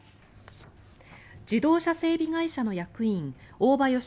自動車整備会社の役員大庭志宏